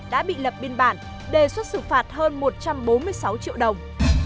đã bị lập biên bản đề xuất xử phạt hơn một trăm bốn mươi sáu triệu đồng